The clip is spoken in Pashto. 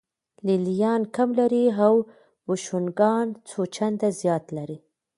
لې لیان کم لري او بوشونګان څو چنده زیات لري